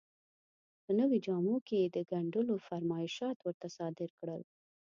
په نویو جامو کې یې د ګنډلو فرمایشات ورته صادر کړل.